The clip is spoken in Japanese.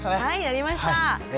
はいなりました。